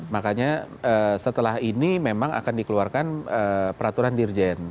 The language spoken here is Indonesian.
makanya setelah ini memang akan dikeluarkan peraturan dirjen